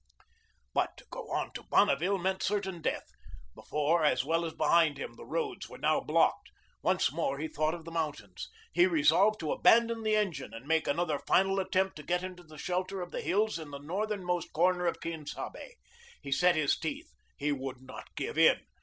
But to go on to Bonneville meant certain death. Before, as well as behind him, the roads were now blocked. Once more he thought of the mountains. He resolved to abandon the engine and make another final attempt to get into the shelter of the hills in the northernmost corner of Quien Sabe. He set his teeth. He would not give in.